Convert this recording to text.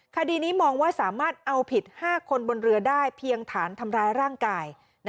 คดีนี้มองว่าสามารถเอาผิด๕คนบนเรือได้เพียงฐานทำร้ายร่างกาย